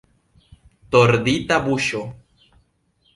Tordita buŝo.